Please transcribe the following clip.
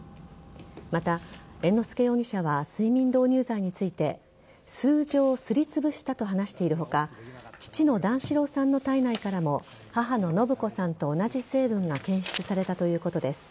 また、猿之助容疑者は睡眠導入剤について数錠、すりつぶしたと話している他父の段四郎さんの体内からも母の延子さんと同じ成分が検出されたということです。